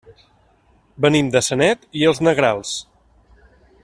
Venim de Sanet i els Negrals.